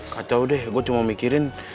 kacau deh gue cuma mikirin